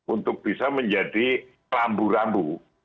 untuk bisa menjadi pelambu lambu